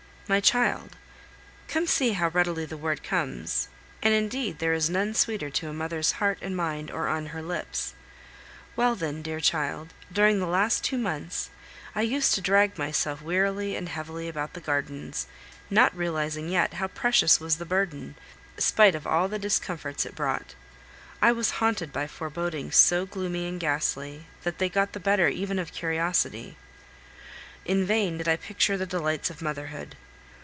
My child come see how readily the word comes, and indeed there is none sweeter to a mother's heart and mind or on her lips well, then, dear child, during the last two months I used to drag myself wearily and heavily about the gardens, not realizing yet how precious was the burden, spite of all the discomforts it brought! I was haunted by forebodings so gloomy and ghastly, that they got the better even of curiosity; in vain did I picture the delights of motherhood.